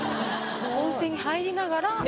温泉に入りながら。